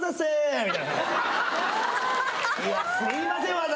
「いやすいません。